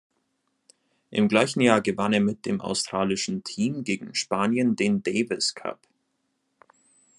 Im gleichen Jahr gewann er mit dem australischen Team gegen Spanien den Davis Cup.